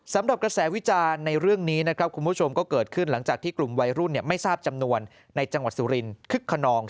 สำหรับกระแสวิจารณ์ในเรื่องนี้นะครับคุณผู้ชมก็เกิดขึ้นหลังจากที่กลุ่มวัยรุ่นไม่ทราบจำนวนในจังหวัดสุรินคึกขนอง